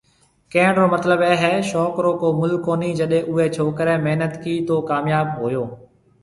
ڪهڻ رو مطلب اي هي شوق رو ڪو مُل ڪونهي جڏي اوئي ڇوڪري محنت ڪي تو ڪامياب هوئو